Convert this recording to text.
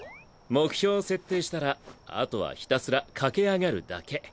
目標を設定したらあとはひたすら駆け上がるだけ。